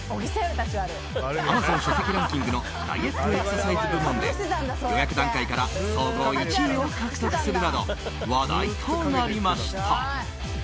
アマゾン書籍ランキングのダイエットエクササイズ部門で予約段階から総合１位を獲得するなど話題となりました。